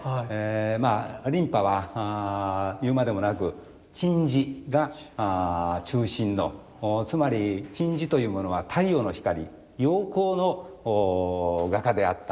まあ琳派は言うまでもなく金地が中心のつまり金地というものは太陽の光陽光の画家であった。